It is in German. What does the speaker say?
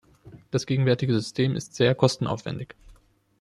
Das gegenwärtige System ist sehr kostenaufwändig.